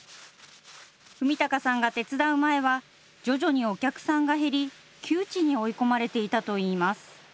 文隆さんが手伝う前は、徐々にお客さんが減り、窮地に追い込まれていたといいます。